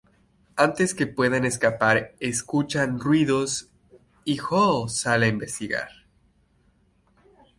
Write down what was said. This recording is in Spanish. Antes que puedan escapar, escuchan ruidos y Jo sale a investigar.